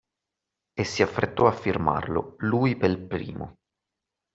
E si affrettò a firmarlo, lui pel primo.